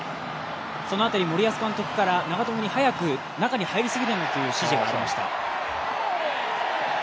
その辺り、森保監督から長友に早く中に入りすぎるなという指示がありました。